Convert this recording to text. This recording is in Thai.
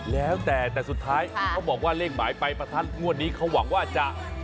แล้วแต่แต่สุดท้ายเขาบอกว่าเลขหมายปลายประทัดงวดนี้เขาหวังว่าจะ